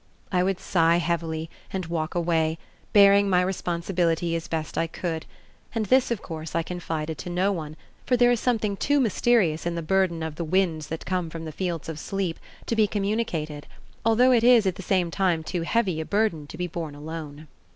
I would sigh heavily and walk away, bearing my responsibility as best I could, and this of course I confided to no one, for there is something too mysterious in the burden of "the winds that come from the fields of sleep" to be communicated, although it is at the same time too heavy a burden to be borne alone.